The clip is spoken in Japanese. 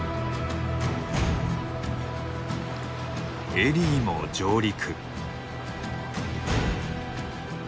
エリーも上陸。